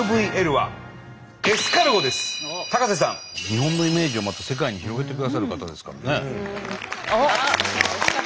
日本のイメージをまた世界に広げてくださる方ですからね。